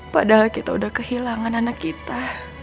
padahal kita udah kehilangan anak kita